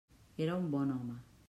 Era un bon home.